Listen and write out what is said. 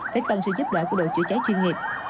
phải cần sự giúp đỡ của đội chữa cháy chuyên nghiệp